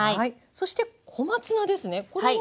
そして小松菜ですね。